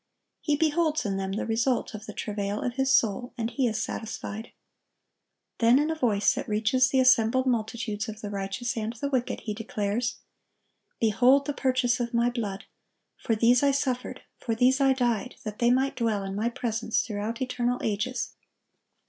He beholds in them the result of the travail of His soul, and He is satisfied. Then, in a voice that reaches the assembled multitudes of the righteous and the wicked, He declares, "Behold the purchase of My blood! For these I suffered, for these I died, that they might dwell in My presence throughout eternal ages."